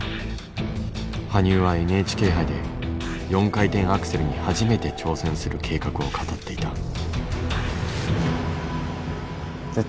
羽生はＮＨＫ杯で４回転アクセルに初めて挑戦する計画を語っていた。